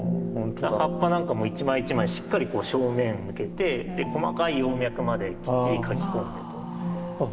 葉っぱなんかも一枚一枚しっかり正面を向けて細かい葉脈まできっちり描き込んでいる。